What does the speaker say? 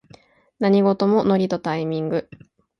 何事もノリとタイミング